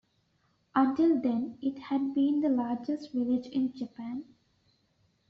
Until then it had been the largest village in Japan.